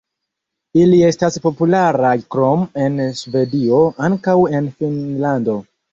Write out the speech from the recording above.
Ili estas popularaj krom en Svedio ankaŭ en Finnlando.